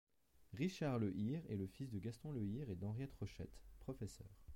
Richard Le Hir est le fils de Gaston Le Hir et d'Henriette Rochette, professeurs.